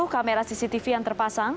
kamera cctv yang terpasang